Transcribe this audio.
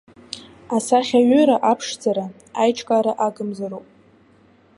Асахьаҩыра аԥшӡара, аиҿкара агымзароуп.